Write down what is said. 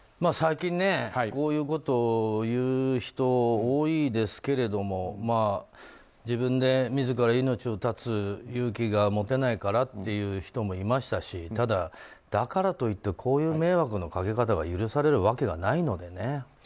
最近、こういうことを言う人多いですけれども自分で自ら命を絶つ勇気が持てないからという人もいましたしただ、だからといってこういう迷惑のかけ方が許されるわけがないのでね。